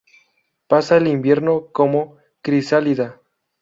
Pasa el invierno como crisálida.